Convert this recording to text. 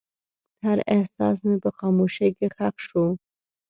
هر احساس مې په خاموشۍ کې ښخ شو.